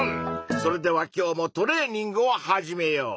それでは今日もトレーニングを始めよう！